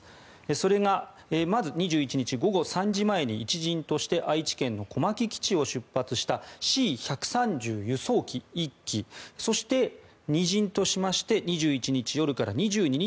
それがまず２１日午後３時前に１陣として愛知県の小牧基地を出発したＣ１３０輸送機１機そして、２陣としまして２１日夜から２２日